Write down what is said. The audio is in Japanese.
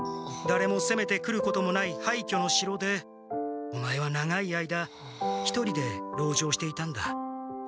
だれもせめてくることもないはいきょの城でオマエは長い間一人で籠城していたんだ。